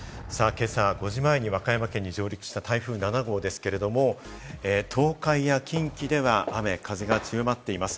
今朝５時前に和歌山県に上陸した台風７号ですけれども、東海や近畿では雨風が強まっています。